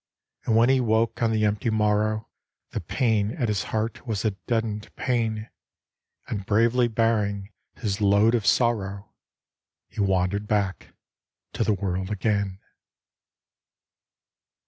And when he woke on the empty morrow, The pain at his heart was a deadened pain; And bravely bearing his load of sorrow, He wandered back to the world again.